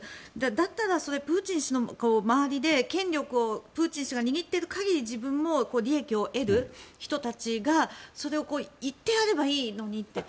だったらプーチン氏の周りで権力をプーチン氏が握っている限り自分も利益を得る人たちがそれを言ってやればいいのにって。